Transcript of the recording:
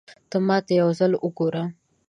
ته ماته يو ځل وګوره